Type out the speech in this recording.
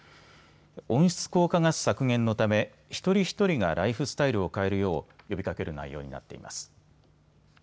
温室効果ガス削減のため一人一人がライフスタイルを変えるよう呼びかける内容になっています。